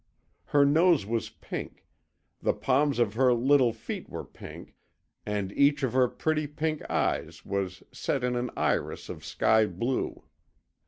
Her nose was pink, the palms of her little feet were pink, and each of her pretty pink eyes was set in an iris of sky blue.